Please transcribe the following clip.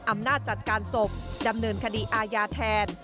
อำนาจจัดการศพดำเนินคดีอาญาแทน